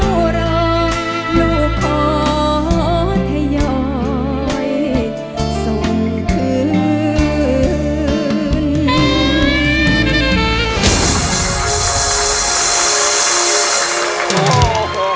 เพื่อรักลูกพ่อทะยายส่งขึ้น